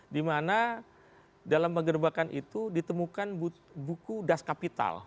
dimana dalam penggerbakan itu ditemukan buku das kapital